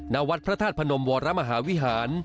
นาวัตรพระธาตุพระนมวรมหาวิหาร